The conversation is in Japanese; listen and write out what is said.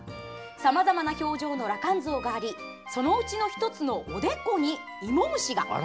さまざまな表情の羅漢像がありそのうちの１つのおでこに芋虫が！